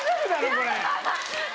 これ。